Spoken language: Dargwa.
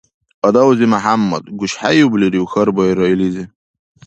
— Адавзи МяхӀяммад, гушхӀейублирив? — хьарбаира илизи.